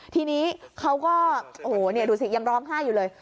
ทีนี้เขาก็โอ้โหดูสิยังร้องไห้อยู่เลย